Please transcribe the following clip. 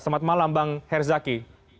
selamat malam bang herzaki